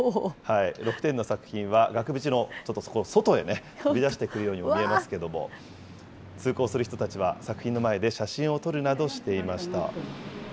６点の作品は、額縁のちょっと外へ飛び出してくるようにも見えますけれども、通行する人たちは、作品の前で写真を撮るなどしていました。